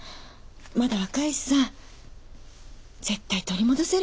まだ若いしさ絶対取り戻せるよ。